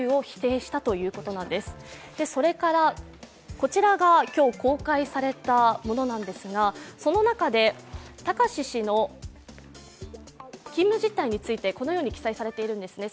こちらが今日、公開されたものなんですがその中で貴志氏の勤務実態についてこのように記載されていただくんです。